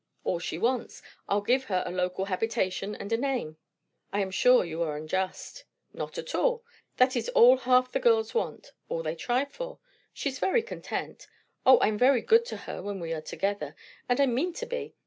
"All she wants. I'll give her a local habitation and a name." "I am sure you are unjust." "Not at all. That is all half the girls want; all they try for. She's very content. O, I'm very good to her when we are together; and I mean to be.